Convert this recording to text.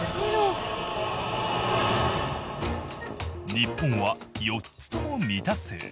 日本は４つとも未達成。